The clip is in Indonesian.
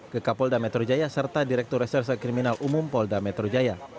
ke kapolda metro jaya serta direktur reserse kriminal umum polda metro jaya